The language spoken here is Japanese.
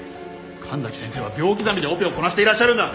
神崎先生は秒刻みでオペをこなしていらっしゃるんだ。